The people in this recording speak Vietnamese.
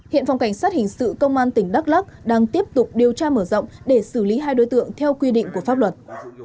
hiện phòng cảnh sát hình sự công an tỉnh đắk lắc đang tiếp tục điều tra mở rộng để xử lý hai đối tượng theo quy định của pháp luật